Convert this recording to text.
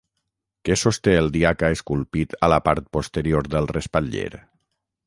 Què sosté el diaca esculpit a la part posterior del respatller?